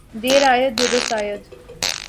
دیر آید درست آید۔